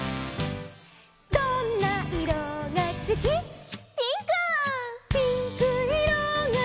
「どんないろがすき」「」「ピンクいろがすき」